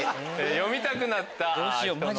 読みたくなった人の。